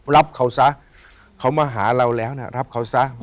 รับเขาซะเขามาหาเราแล้วนะรับเขาซะ